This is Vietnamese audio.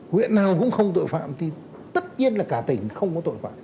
huyện nào cũng không tội phạm thì tất nhiên là cả tỉnh không có tội phạm